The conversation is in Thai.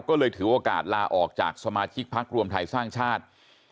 ก็เลยถือโอกาสลาออกจากสมาชิกพักรวมไทยสร้างชาติ